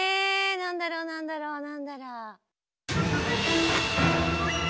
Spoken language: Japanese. なんだろうなんだろうなんだろう？